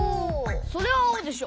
それはあおでしょ。